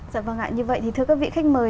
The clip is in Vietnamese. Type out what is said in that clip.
dạ vâng ạ như vậy thì thưa các vị khách mời